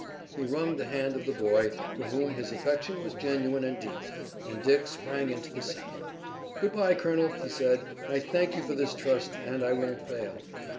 He wrung the hand of the boy, for whom his affection was genuine and deep, and Dick sprang into the saddle. "Good bye, colonel," he said, "I thank you for this trust, and I won't fail."